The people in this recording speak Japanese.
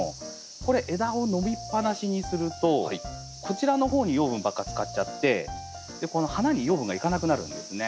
これ枝を伸びっぱなしにするとこちらの方に養分ばっか使っちゃってこの花に養分が行かなくなるんですね。